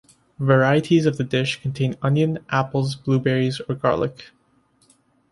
Varieties of the dish contain onion, apples, blueberries or garlic.